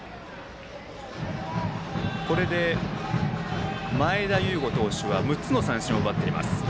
これで前田悠伍投手は６つの三振を奪っています。